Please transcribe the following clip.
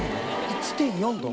１．４度？